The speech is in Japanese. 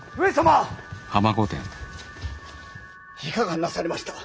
いかがなされました？